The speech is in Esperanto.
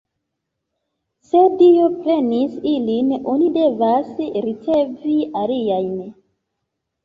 Se Dio prenis ilin, oni devas ricevi aliajn.